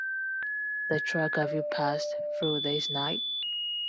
The track Have You Passed Through This Night?